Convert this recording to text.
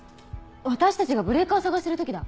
私たちがブレーカー探してる時だ。